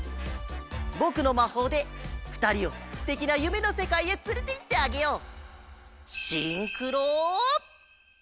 ぼくのまほうでふたりをすてきなゆめのせかいへつれていってあげよう！